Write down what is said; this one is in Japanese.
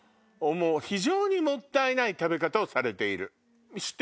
非常にもったいない食べ方をされている。